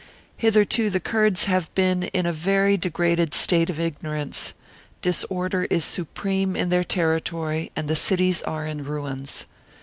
Hitherto, the Kurds have been in a very degraded state of ignorance ; disorder is supreme in their territory, and the cities are in ruins.